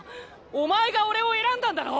お前が俺を選んだんだろ！